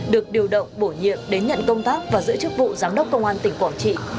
được điều động bổ nhiệm đến nhận công tác và giữ chức vụ giám đốc công an tỉnh quảng trị